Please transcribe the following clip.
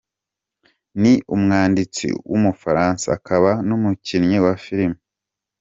Ni umwanditsi w’umufaransa akaba n’umukinnyi wa filime.